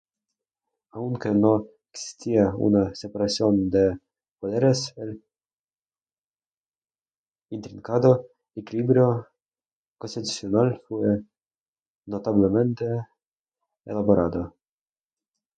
Aunque no existía una separación de poderes, el intrincado equilibrio constitucional fue notablemente elaborado.